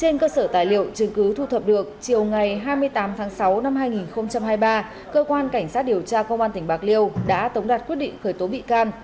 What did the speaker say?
ngày hai mươi tám tháng sáu năm hai nghìn hai mươi ba cơ quan cảnh sát điều tra công an tỉnh bạc liêu đã tống đặt quyết định khởi tố bị can